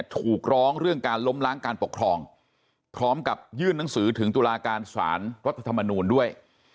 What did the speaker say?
ถูกร้องเรื่องการล้มล้างการปกครองพร้อมกับยื่นหนังสือถึงตุลาการสารรัฐธรรมนูลด้วย